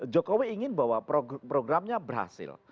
jokowi ingin bahwa programnya berhasil